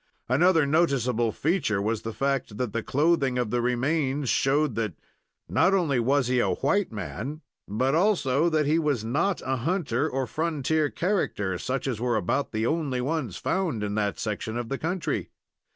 Another noticeable feature was the fact that the clothing of the remains showed that not only was he a white man, but also that he was not a hunter or frontier character, such as were about the only ones found in that section of the country.